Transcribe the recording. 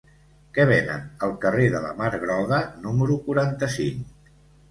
Què venen al carrer de la Mar Groga número quaranta-cinc?